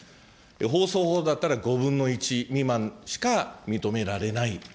放送法だったら５分の１未満しか認められない。